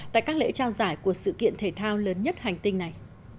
tại các lễ trao giải của sự kiện thể thao lớn nhất hành tinh này